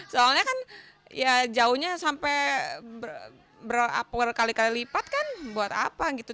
soalnya kan ya jauhnya sampai berkali kali lipat kan buat apa gitu